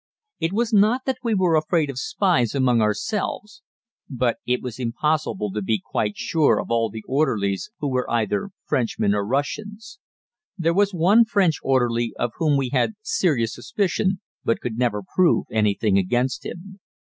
It was not that we were afraid of spies among ourselves, but it was impossible to be quite sure of all the orderlies, who were either Frenchmen or Russians. There was one French orderly of whom we had serious suspicion but could never prove anything against him.